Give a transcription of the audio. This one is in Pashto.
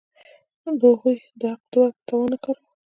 هغوی د حق د ورکړې توان نه کاراوه.